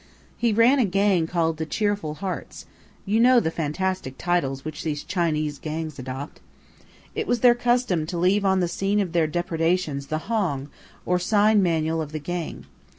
He ran a gang called 'The Cheerful Hearts' you know the fantastic titles which these Chinese gangs adopt. It was their custom to leave on the scene of their depredations the Hong, or sign manual of the gang.